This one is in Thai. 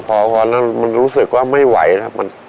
พอนั้นมันรู้สึกว่าไม่ไหวนะ